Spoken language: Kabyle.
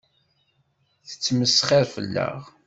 Tettmesxiṛ fell-aɣ.